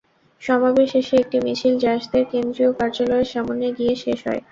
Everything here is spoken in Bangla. সমাবেশ শেষে একটি মিছিল জাসদের কেন্দ্রীয় কার্যালয়ের সামনে গিয়ে শেষ হয়।